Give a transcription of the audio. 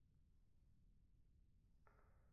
আমাকে দেখে কি দুরারোগ্য উদ্বেগের রোগী মনে হয়?